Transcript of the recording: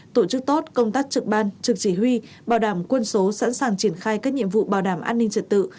tổ chức tốt công tác trực ban trực chỉ huy bảo đảm quân số sẵn sàng triển khai các nhiệm vụ bảo đảm an ninh trật tự